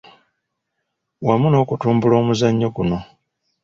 Wamu n’okutumbula omuzannyo guno.